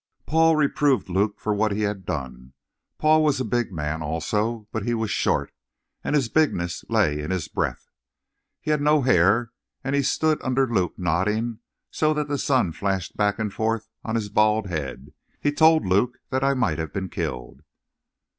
"Paul reproved Luke for what he had done. Paul was a big man, also, but he was short, and his bigness lay in his breadth. He had no hair, and he stood under Luke nodding so that the sun flashed back and forth on his bald head. He told Luke that I might have been killed.